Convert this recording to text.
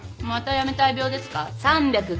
またやめたい病ですか。